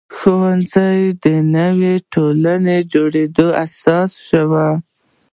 ښوونځي د نوې ټولنې د جوړېدو اساس شول.